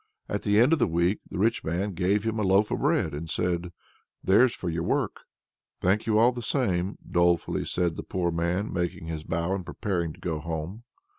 At the end of the week the rich man gave him a loaf of bread, and says: "There's for your work!" "Thank you all the same," dolefully said the poor man, making his bow and preparing to go home.